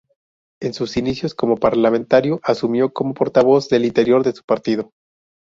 En sus inicios como parlamentario asumió como Portavoz de Interior de su partido.